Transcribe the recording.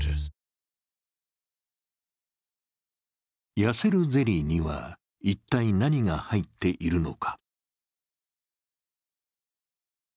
痩せるゼリーには一体何が入っているのか。